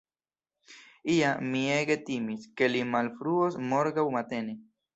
Ja, mi ege timis, ke li malfruos morgaŭ matene.